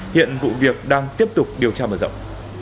hiện vụ việc đang tiếp tục điều tra mở rộng